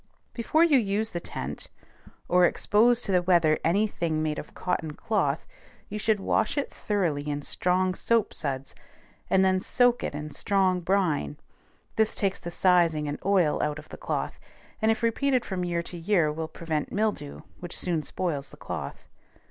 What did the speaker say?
Before you use the tent, or expose to the weather any thing made of cotton cloth, you should wash it thoroughly in strong soap suds, and then soak it in strong brine; this takes the sizing and oil out of the cloth, and if repeated from year to year will prevent mildew, which soon spoils the cloth.